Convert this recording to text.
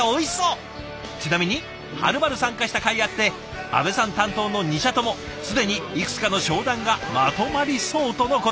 ちなみにはるばる参加したかいあって阿部さん担当の２社とも既にいくつかの商談がまとまりそうとのこと。